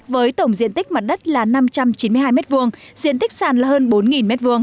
với tổng diện tích mặt đất là năm trăm chín mươi hai m hai diện tích sàn là hơn bốn m hai